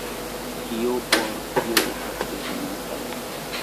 Kio por tio estas bezonata?